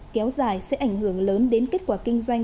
kéo dài sẽ ảnh hưởng lớn đến kết quả kinh doanh